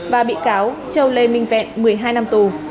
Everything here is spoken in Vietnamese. và bị cáo châu lê minh vẹn một mươi hai năm tù